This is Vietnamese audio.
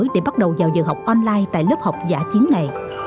để bắt đầu vào giờ học online tại lớp học giả chiến này